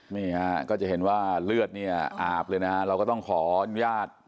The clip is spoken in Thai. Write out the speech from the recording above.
นี่ฮะก็จะเห็นว่าเลือดเนี่ยอาบเลยนะฮะเราก็ต้องขออนุญาต